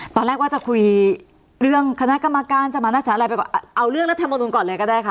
ตอนแรกว่าจะคุยเรื่องคณะกรรมการสมารักษาอะไรไปเอาเรื่องรัฐมนุนก่อนเลยก็ได้ค่ะ